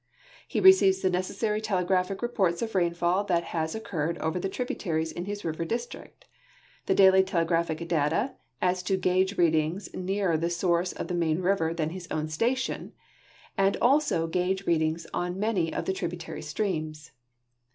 He receives the necessary telegraphic reports of rainfall tliat has occurred over the tributaries in his river district, the daily telegraphic data as to gauge readings nearer the source of the main river than his own station, and also gauge readings on many of the tributary streams.